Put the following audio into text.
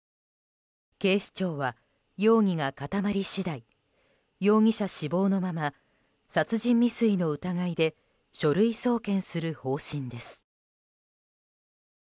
警視庁は容疑が固まり次第容疑者死亡のまま殺人未遂の疑いで書類送検する方針です。